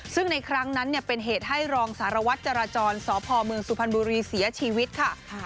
ซึ่งในครั้งนั้นเป็นเหตุให้รองสารวัตรจราจรสพเมืองสุพรรณบุรีเสียชีวิตค่ะ